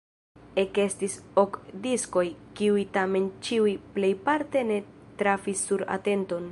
Ekestis ok diskoj, kiuj tamen ĉiuj plejparte ne trafis sur atenton.